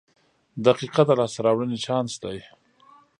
• دقیقه د لاسته راوړنې چانس دی.